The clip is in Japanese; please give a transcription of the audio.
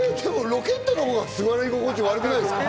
ロケットのほうが座り心地悪くないですか？